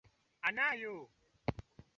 a ya kasoro za hapa na pale zinazojitokeza